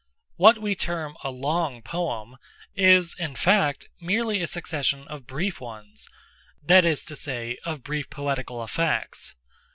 What we term a long poem is, in fact, merely a succession of brief ones—that is to say, of brief poetical effects.